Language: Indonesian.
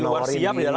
di dalam siap